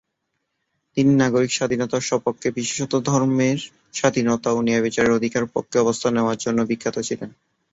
তিনি নাগরিক স্বাধীনতার স্বপক্ষে, বিশেষত ধর্মের স্বাধীনতা ও ন্যায়বিচারের অধিকারের পক্ষে অবস্থান নেয়ার জন্য বিখ্যাত ছিলেন।